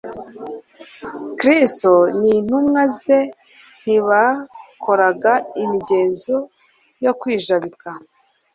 Kristo n'intumwa ze ntibakoraga imigenzo yo kwijabika,